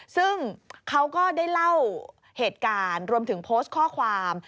ซึ่งเขาก็ได้เล่าเหตุการณ์รวมถึงโพสต์ข้อความ